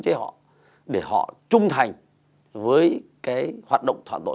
trả trả em đi